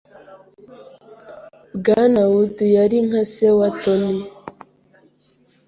Bwana Wood yari nka se wa Tony.